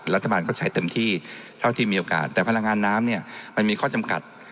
รัฐบาลก็ใช้เต็มที่เท่าที่มีโอกาสแต่พลังงานน้ำเนี่ยมันมีข้อจำกัด